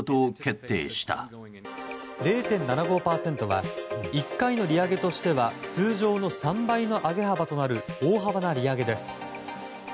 ０．７５％は１回の利上げとしては通常の３倍の上げ幅となる大幅な利上げです。